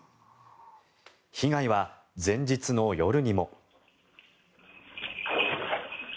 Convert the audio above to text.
被害は前日の夜にも。